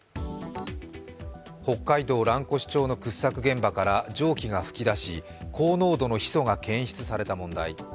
北海道蘭越町の掘削現場から蒸気が噴き出し、高濃度のヒ素が検出された問題。